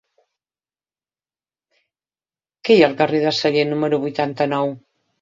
Què hi ha al carrer de Sallent número vuitanta-nou?